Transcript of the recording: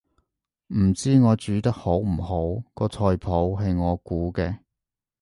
唔知我煮得好唔好，個菜譜係我估嘅